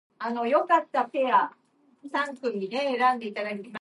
The island was only slightly damaged by Tropical Storm Cristobal.